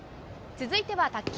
続いては卓球。